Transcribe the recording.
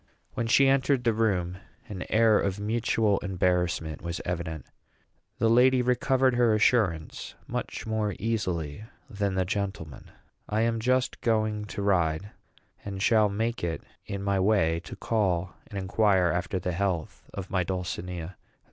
When she entered the room, an air of mutual embarrassment was evident. The lady recovered her assurance much more easily than the gentleman. I am just going to ride, and shall make it in my way to call and inquire after the health of my dulcinea.